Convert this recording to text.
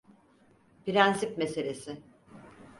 Prensip meselesi.